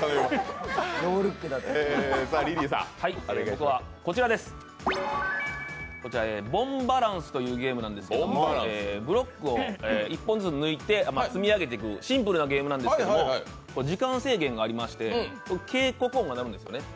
僕は「ボンバランス」というゲームなんですけど、ブロックを１本ずつ抜いて積み上げていくシンプルなゲームなんですけど時間制限がありまして警告音が鳴るんですね。